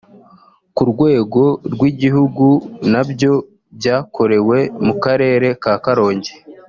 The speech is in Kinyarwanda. ku rwego rw’igihugu nabyo byakorewe mu karere ka Karongi